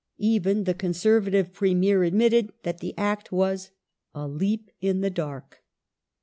Even the Conservative Premier ad mitted that the Act was " a leap in the dark